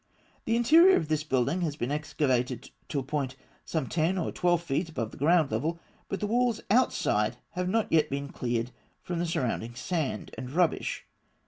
The interior of this building has been excavated to a point some ten or twelve feet above the ground level, but the walls outside have not yet been cleared from the surrounding sand and rubbish.